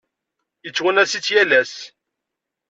Yettwanas-itt yal ass.